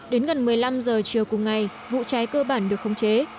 đến gần một mươi năm h chiều cùng ngày vụ cháy cơ bản được khống chế